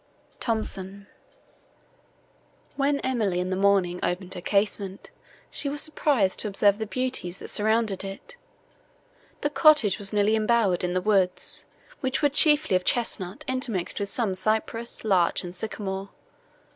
THOMSON When Emily, in the morning, opened her casement, she was surprised to observe the beauties, that surrounded it. The cottage was nearly embowered in the woods, which were chiefly of chesnut intermixed with some cypress, larch and sycamore.